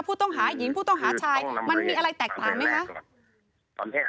ผู้ต้องหาหญิงผู้ต้องหาชายมันมีอะไรแตกต่างไหมคะ